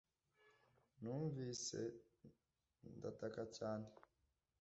numvise ndataka cyane